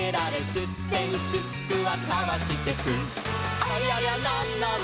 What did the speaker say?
「すってんすっくはかわしてく」「ありゃりゃなんなの？